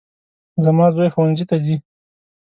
زما زوی ښوونځي ته ځي